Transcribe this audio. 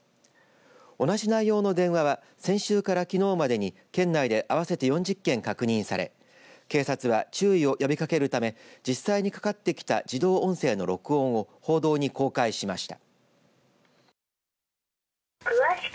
同じ内容の電話は先週からきのうまでに県内で合わせて４０件確認され警察は注意を呼びかけるため実際にかかってきた自動音声の録音を報道に公開しました。